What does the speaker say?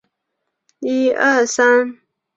教育效益学的宗旨是研究教育的效益。